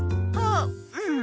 あっうん。